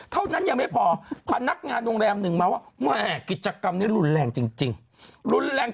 เท่านั้นยังไม่พอพนักงานโรงแรมหนึ่งมาว่าแม่กิจกรรมนี้รุนแรงจริงรุนแรง